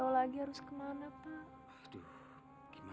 oh iya kok semua approached ya